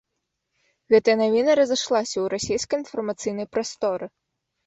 Гэтая навіна разышлася ў расейскай інфармацыйнай прасторы.